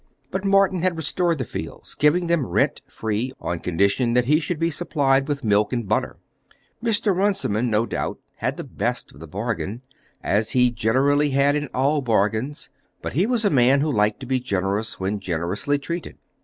But Morton had restored the fields, giving them rent free, on condition that he should be supplied with milk and butter. Mr. Runciman, no doubt, had the best of the bargain, as he generally had in all bargains; but he was a man who liked to be generous when generously treated.